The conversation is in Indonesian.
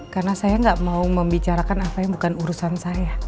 karena saya nggak mau membicarakan apa yang bukan urusan saya